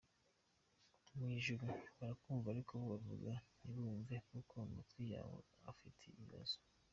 Mu ijuru barakumva ariko bo bavuga ntiwumve kuko amatwi yawe afite ikibazo.